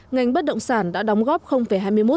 ngành bất động sản đã đóng góp hai mươi một